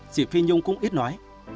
chị phi nhung cũng ít nói